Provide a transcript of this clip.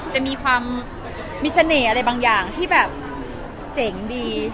จะมีความมีเสน่ห์อะไรบางอย่างที่แบบเจ๋งดี